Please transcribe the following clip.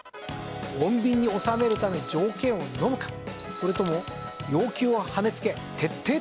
穏便に収めるために条件をのむかそれとも要求をはねつけ徹底的に戦うか。